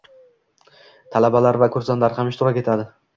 talabalar va kursantlar ham ishtirok etadi.